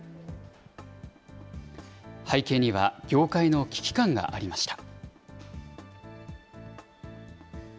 背景には、業界の危機感がありました。